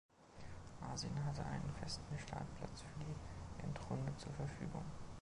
Asien hatte einen festen Startplatz für die Endrunde zur Verfügung.